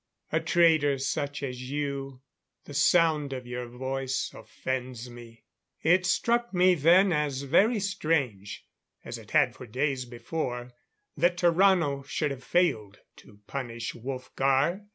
A traitor such as you the sound of your voice offends me." It struck me then as very strange as it had for days before that Tarrano should have failed to punish Wolfgar.